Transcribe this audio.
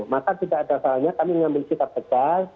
maka tidak ada soalnya kami mengambil kitab tegas